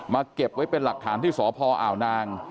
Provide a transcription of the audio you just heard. เก็บไว้เป็นหลักฐานที่สพอ่าวนาง